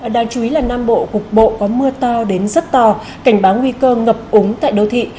đáng chú ý là nam bộ cục bộ có mưa to đến rất to cảnh báo nguy cơ ngập úng tại đô thị